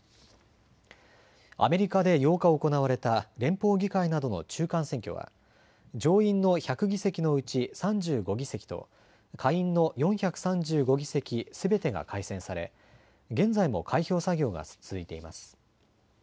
アメリカで８日、行われた連邦議会などの中間選挙は上院の１００議席のうち３５議席と下院の４３５議席すべてが改選され現在も開票作業が続いています。